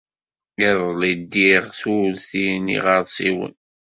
Iḍelli ddiɣ s urti n yiɣersiwen.